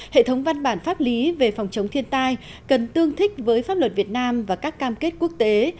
hệ thống văn bản pháp lý về phòng chống thiên tai cần tương thích với pháp luật việt nam và các cam kết quốc tế